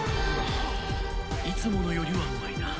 いつものよりはうまいな。